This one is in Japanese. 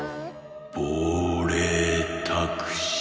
「ぼうれいタクシー」。